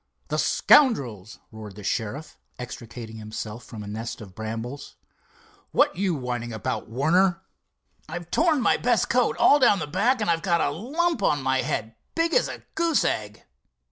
"The scoundrels!" roared the sheriff, extricating himself from a nest of brambles. "What you whining about, Warner?" "I've torn my best coat all down the back, and I've got a lump on my head big as a goose egg."